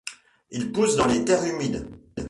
Il pousse dans les terres humides.